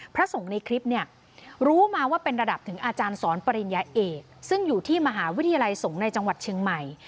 พระสงฆ์ในคลิปเนี่ยรู้มาว่าเป็นระดับถึงอาจารย์สอนปริญญาเอกซึ่งอยู่ที่มหาวิทยาลัยสงฆ์ในจังหวัดเชียงใหม่